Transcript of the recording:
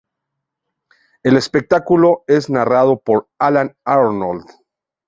El espectáculo es narrado por Allan Arnold.